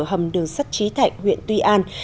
hầm đường sắt trí thạch huyện tuy an